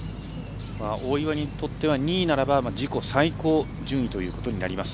大岩にとっては２位ならば自己最高順位ということになります。